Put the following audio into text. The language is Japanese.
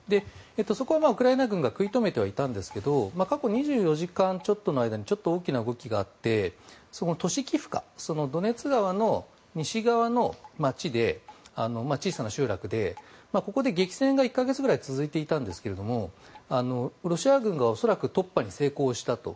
そこはウクライナ軍が食い止めてはいたんですけど過去２４時間ちょっとの間にちょっと大きな動きがあってそこのトシキフカドネツ川の西側の地小さな集落で、ここで激戦が１か月くらい続いていたんですがロシア軍が恐らく突破に成功したと。